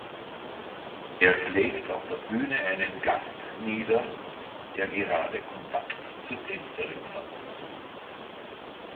Er schlägt auf der Bühne einen Gast nieder, der gerade Kontakt zur Tänzerin hat.